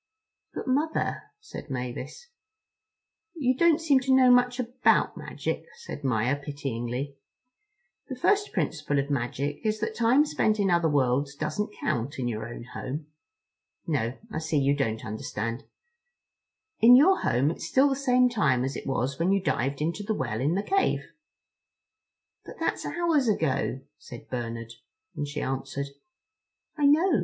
"But Mother," said Mavis. "You don't seem to know much about magic," said Maia pityingly: "the first principle of magic is that time spent in other worlds doesn't count in your own home. No, I see you don't understand. In your home it's still the same time as it was when you dived into the well in the cave." "But that's hours ago," said Bernard; and she answered: "I know.